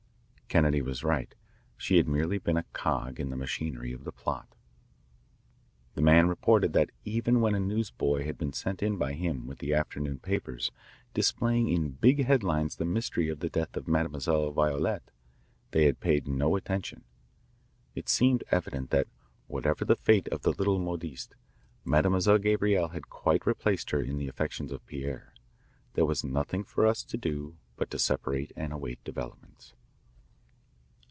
Kennedy was right. She had been merely a cog in the machinery of the plot. The man reported that even when a newsboy had been sent in by him with the afternoon papers displaying in big headlines the mystery of the death of Mademoiselle Violette, they had paid no attention. It seemed evident that whatever the fate of the little modiste, Mademoiselle Gabrielle had quite replaced her in the affections of Pierre. There was nothing for us to do but to separate and await developments.